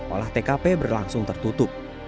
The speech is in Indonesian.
olah tkp berlangsung tertutup